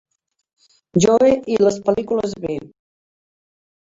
Joe i les pel·lícules B.